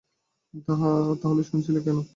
তাহলে শুনছিল কেন?